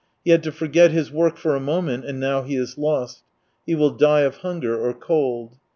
He had to forget his work for a moment, and now he is lost : he will die of hunger or cold.